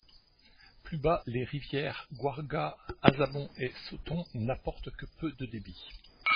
Plus bas, les rivières Guarga, Asabón et Sotón n'apportent que peu de débit.